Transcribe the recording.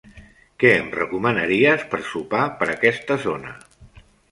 Què em recomanaries per sopar per aquesta zona?